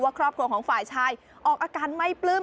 ครอบครัวของฝ่ายชายออกอาการไม่ปลื้ม